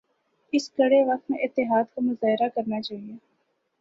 اس کڑے وقت میں اتحاد کا مظاہرہ کرنا چاہئے